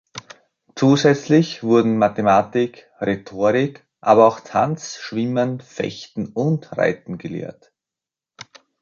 Zusätzlich wurden Mathematik, Rhetorik, aber auch Tanz, Schwimmen, Fechten und Reiten gelehrt.